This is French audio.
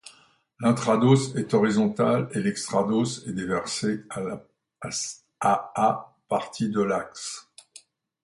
L’intrados est horizontal et l’extrados est déversé à à partir de l'axe.